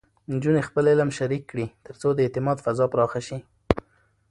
نجونې خپل علم شریک کړي، ترڅو د اعتماد فضا پراخه شي.